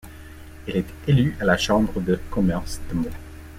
Elle est élue à la Chambre de commerce de Meaux.